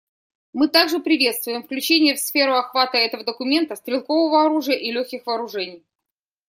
Мы также приветствуем включение в сферу охвата этого документа стрелкового оружия и легких вооружений.